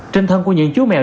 trên thân của những chú mèo